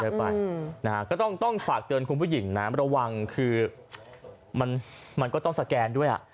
ไปนะฮะก็ต้องฝากเตือนคุณผู้หญิงนะระวังคือมันมันก็ต้องสแกนด้วยอ่ะ